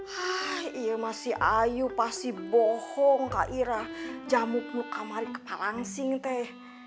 hah iya masih ayu pasi bohong kak ira jamuk nukamari kepala langsing teh